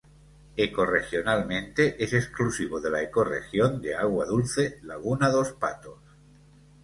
Ecorregionalmente es exclusivo de la ecorregión de agua dulce laguna dos Patos.